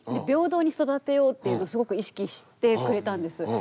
平等に育てようっていうのをすごく意識してくれたんです。